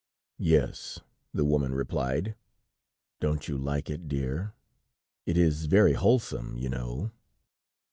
"Yes," the woman replied. "Don't you like it, dear? It is very wholesome, you know."